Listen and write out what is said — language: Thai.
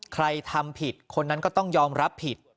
ใครทำผิดคนนั้นก็ต้องยอมรับผิด